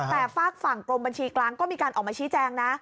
แต่ฝากฝั่งกรมบัญชีกลางก็มีการออกมาชี้แจงนะ